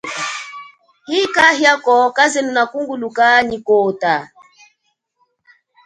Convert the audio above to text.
Hi kahia ko kaze nuna kunguluka nyi kota.